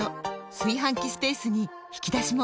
炊飯器スペースに引き出しも！